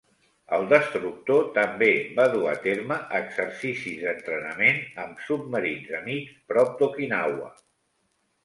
El destructor també va dur a terme exercicis d'entrenament amb submarins amics prop d'Okinawa.